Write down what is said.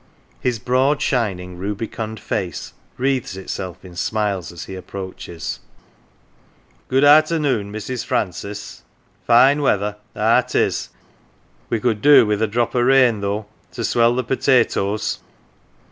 His broad, shining, rubicund face wreathes itself in smiles as he approaches. " Good arternoon, Mrs. Francis. Fine weather ah, 'tis. We could do with a drop o' rain, though, to swell the potatoes."